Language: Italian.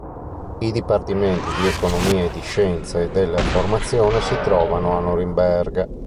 I dipartimenti di economia e di scienze della formazione si trovano a Norimberga.